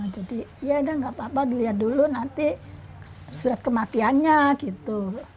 jadi ya nggak apa apa dilihat dulu nanti surat kematiannya gitu